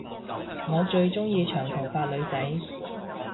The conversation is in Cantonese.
我最鐘意長頭髮女仔